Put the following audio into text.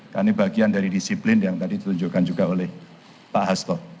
karena ini bagian dari disiplin yang tadi ditunjukkan juga oleh pak hasto